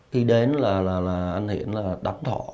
khi đến là anh hiển là đánh thọ